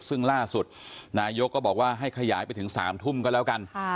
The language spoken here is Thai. ซึ่งล่าสุดนายกก็บอกว่าให้ขยายไปถึง๓ทุ่มก็แล้วกัน